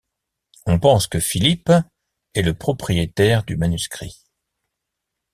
On pense que Philipp est le propriétaire du manuscrit.